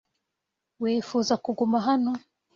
Wifuza kuguma hano?